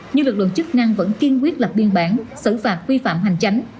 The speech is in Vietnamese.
nhưng lực lượng chức năng vẫn kiên quyết lập biên bản xử phạt vi phạm hành chánh